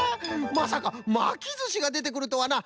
まさかまきずしがでてくるとはな。